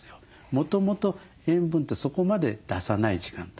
もともと塩分ってそこまで出さない時間帯。